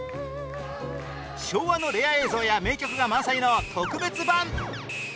昭和のレア映像や名曲が満載の特別版